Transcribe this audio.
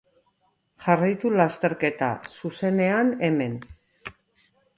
Jarraitu lasterketa, zuzenean, hemen.